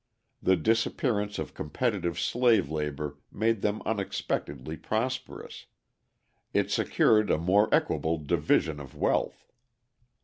The disappearance of competitive slave labour made them unexpectedly prosperous; it secured a more equable division of wealth.